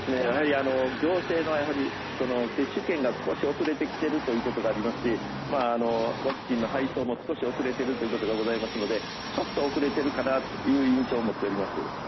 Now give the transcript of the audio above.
行政の接種券が少し遅れてきているということがありますしワクチンの配送も少し遅れているということがございますのでちょっと遅れてるかなという印象を持っております。